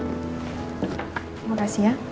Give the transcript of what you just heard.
terima kasih ya